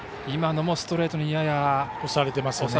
今のもストレートにやや押されてます。